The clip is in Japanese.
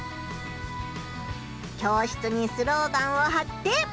教室にスローガンをはって。